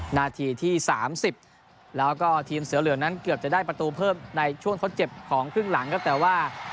นาทีที่๓๐แล้วก็ทีมเสือเหลืองนั้นเกือบจะได้ประตูเพิ่มในช่วงทดเจ็บของครึ่งหลังครับแต่ว่า